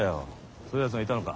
そういうやつがいたのか。